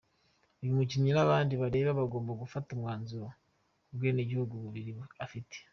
Uyu mukinnyi n’abandi bireba bagomba gufata umwanzuro ku bwenegihugu bubiri afite.